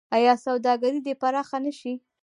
آیا سوداګري دې پراخه نشي؟